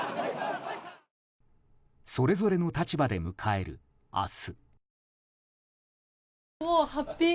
それぞれの立場で迎える明日。